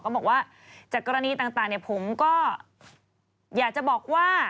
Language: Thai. บอกว่าจากกรณีต่างผมก็อยากจะบอกว่า